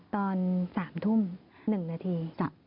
ตอนสามทุ่มหนึ่งนาที